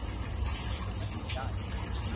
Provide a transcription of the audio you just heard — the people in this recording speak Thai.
ดึกแล้วกินได้